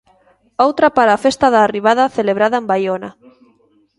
Outra para a Festa da Arribada celebrada en Baiona.